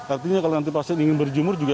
artinya kalau nanti pasien ingin berjemur juga